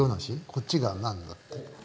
こっちが何だっけ。